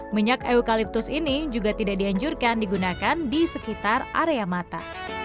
minyak eukaliptus ini juga tidak dianjurkan digunakan di sekitar area mata